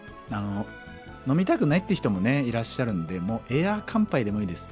飲みたくないっていう人もねいらっしゃるんでエア乾杯でもいいです。